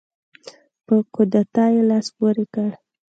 په کودتا یې لاس پورې کړ.